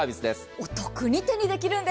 お得に手にできるんです。